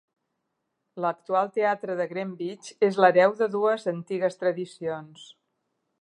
L'actual Teatre de Greenwich és l'hereu de dues antigues tradicions.